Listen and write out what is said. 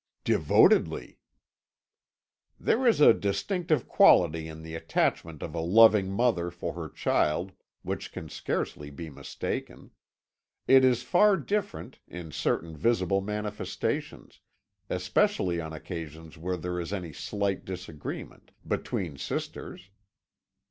"Devotedly." "There is a distinctive quality in the attachment of a loving mother for her child which can scarcely be mistaken; it is far different, in certain visible manifestations especially on occasions where there is any slight disagreement between sisters.